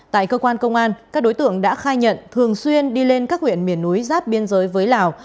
tại cơ quan công an các đối tượng đã khai nhận thường xuyên đi lên các huyện miền núi giáp biên giới với lào